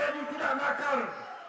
joko suntoko tidak makan